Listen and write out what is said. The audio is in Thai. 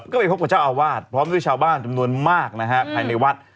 ก็ไปพบกับเจ้าอาวาสพร้อมด้วยชาวบ้านจำนวนมากนะฮะภายในวัด